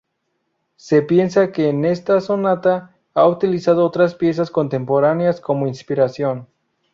Se piensa que en esta sonata ha utilizado otras piezas contemporáneas como inspiración.